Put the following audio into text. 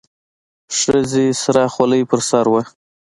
ښځې سره خولۍ په سر وه.